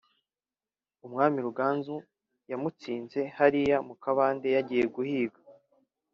umwami Ruganzu yamutsinze hariya mu kabande yagiye guhiga